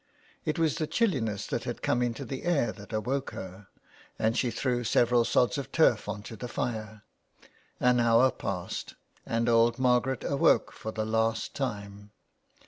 It was the chilliness that had come into the air that awoke her, and she threw several sods of turf on to the fire. An hour passed, and old Margaret awoke for the last time.